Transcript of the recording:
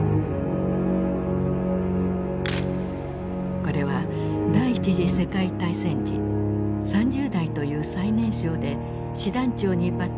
これは第一次世界大戦時３０代という最年少で師団長に抜てきされた頃の写真。